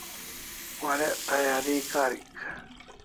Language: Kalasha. Warek tayari karik